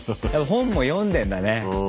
本も読んでんだね。